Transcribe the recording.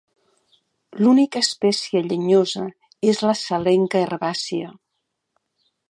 L'única espècie llenyosa és la salenca herbàcia.